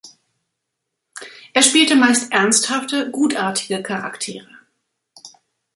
Er spielte meist ernsthafte, gutartige Charaktere.